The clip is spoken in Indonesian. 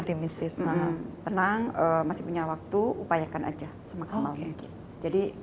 tenang masih punya waktu upayakan aja semaksimal mungkin